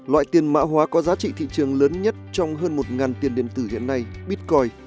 loại tiền mã hóa có giá trị thị trường lớn nhất trong hơn một tiền điện tử hiện nay bitcoin